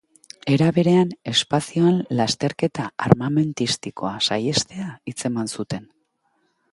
Era berean, espazioan lasterketa armamentistikoa saihestea hitz eman zuten.